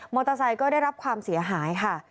เตอร์ไซค์ก็ได้รับความเสียหายค่ะ